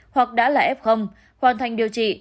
hoặc đã là f hoàn thành điều trị